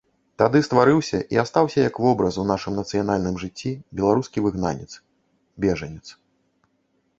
Тады стварыўся і астаўся як вобраз у нашым нацыянальным жыцці беларускі выгнанец, бежанец.